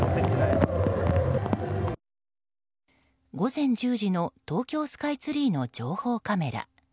午前１０時の東京スカイツリーの情報カメラ。